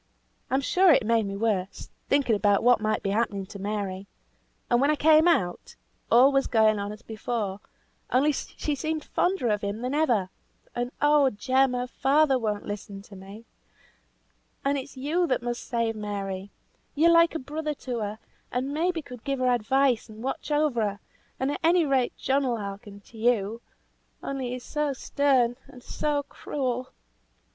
I'm sure it made me worse, thinking about what might be happening to Mary. And when I came out, all was going on as before, only she seemed fonder of him than ever; and oh Jem! her father won't listen to me, and it's you must save Mary! You're like a brother to her, and maybe could give her advice and watch over her, and at any rate John will hearken to you; only he's so stern and so cruel."